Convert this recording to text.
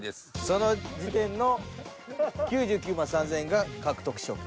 その時点の９９３，０００円が獲得賞金。